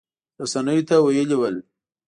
رسنیو ته ویلي ول